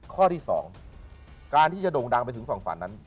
ข้อที่๒การที่จะโด่งดังไปถึงสองฝันนั้น